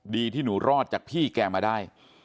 ที่หนูรอดจากพี่แกมาได้